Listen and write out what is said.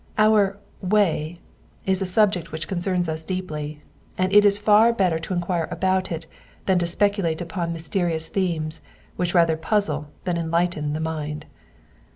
Our tray" is a subject which concerns us deeply, and it is far better to enquire about it than to speculate upon mysterious themes which rather puzzle than enlighten the mind.